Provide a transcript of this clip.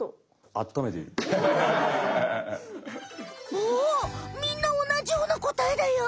おおみんなおなじようなこたえだよ！